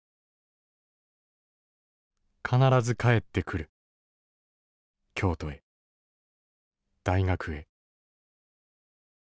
「必ず帰ってくる京都へ大学へ。